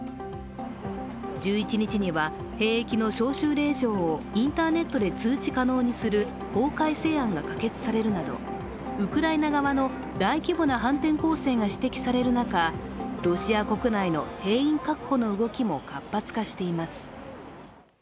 １１日には兵役の招集令状をインターネットで通知可能にする法改正案が可決されるなどウクライナ側の大規模な反転攻勢が指摘される中、ロシア国内の兵員確保の動きも活発化しています。